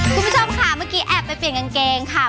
คุณผู้ชมค่ะเมื่อกี้แอบไปเปลี่ยนกางเกงค่ะ